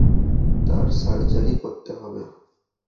তার সার্জারি করতে হবে।